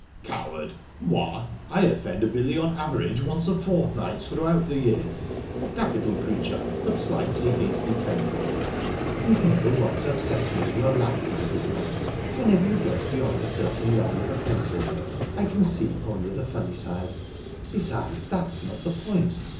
"Coward!..._Moi,_ I offend Billy on an average once a fortnight throughout the year. A capital creature, but slightly hasty tempered." "You've never once upset me in your life, my good man. Whenever you get beyond a certain level of offensiveness, I can see only the funny side...Besides, that's not the point.